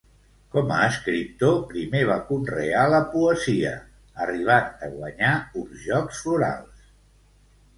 Com a escriptor primer va conrear la poesia arribant a guanyar uns Jocs Florals.